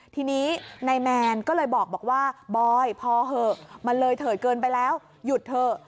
ทีนี้นายแมนก็เลยบอกว่าบอยพอเหอะมันเลยเถิดเกินไปแล้วหยุดเถอะ